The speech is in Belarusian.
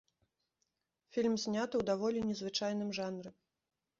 Фільм зняты ў даволі незвычайным жанры.